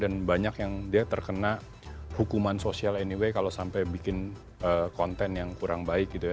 dan banyak yang dia terkena hukuman sosial anyway kalau sampai bikin konten yang kurang baik gitu ya